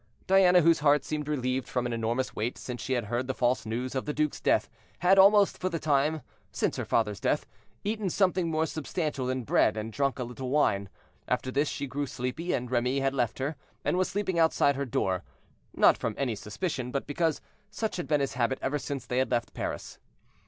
Diana, whose heart seemed relieved from an enormous weight since she had heard the false news of the duke's death, had, almost for the first time since her father's death, eaten something more substantial than bread, and drunk a little wine. After this she grew sleepy, and Remy had left her, and was sleeping outside her door, not from any suspicion, but because such had been his habit ever since they had left Paris.